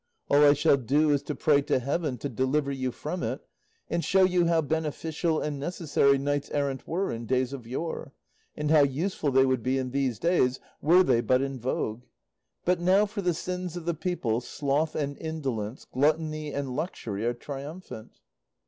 All I shall do is to pray to heaven to deliver you from it, and show you how beneficial and necessary knights errant were in days of yore, and how useful they would be in these days were they but in vogue; but now, for the sins of the people, sloth and indolence, gluttony and luxury are triumphant."